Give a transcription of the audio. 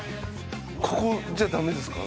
ここじゃダメですか？